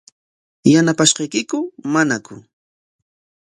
¿Yanaqashqaykiku manaku?